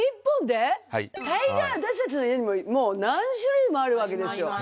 大概私たちの家にももう何種類もあるわけですよ。